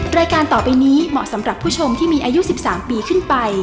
รายการต่อไปนี้เหมาะสำหรับผู้ชมที่มีอายุ๑๓ปีขึ้นไป